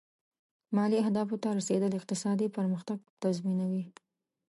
مالي اهدافو ته رسېدل اقتصادي پرمختګ تضمینوي.